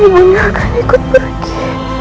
ibu akan ikut beruji